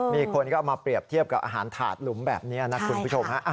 มีคนก็เอามาเปรียบเทียบกับอาหารถาดหลุมแบบนี้นะคุณผู้ชมฮะ